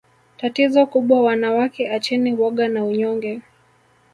Tatizo kubwa wanawake acheni woga na unyonge